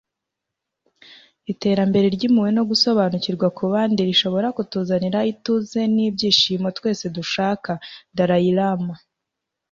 iterambere ry'impuhwe no gusobanukirwa kubandi rishobora kutuzanira ituze n'ibyishimo twese dushaka. - dalai lama